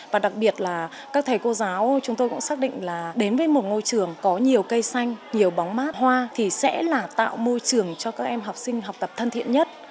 và đặc biệt là các thầy cô giáo chúng tôi cũng xác định là đến với một ngôi trường có nhiều cây xanh nhiều bóng mát hoa thì sẽ là tạo môi trường cho các em học sinh học tập thân thiện nhất